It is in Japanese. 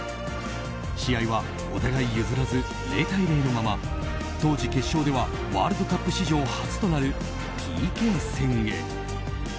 試合はお互い譲らず０対０のまま当時、決勝ではワールドカップ史上初となるＰＫ戦へ。